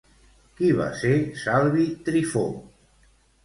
Qui va ser Salvi Trifó?